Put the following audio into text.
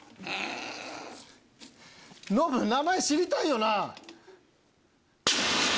ノブ名前知りたいよな？